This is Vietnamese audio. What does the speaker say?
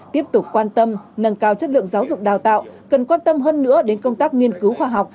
tiếp tục quan tâm nâng cao chất lượng giáo dục đào tạo cần quan tâm hơn nữa đến công tác nghiên cứu khoa học